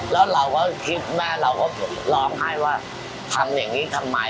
แล้วเราก็คิดแม่เราก็ร้องไห้ว่าทำอย่างนี้ทำไม